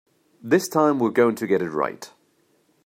This time we're going to get it right.